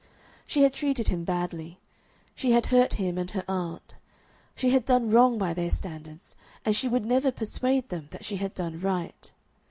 She had treated him badly; she had hurt him and her aunt; she had done wrong by their standards, and she would never persuade them that she had done right.